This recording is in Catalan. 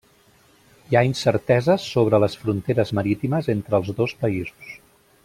Hi ha incerteses sobre les fronteres marítimes entre els dos països.